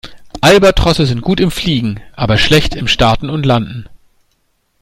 Albatrosse sind gut im Fliegen, aber schlecht im Starten und Landen.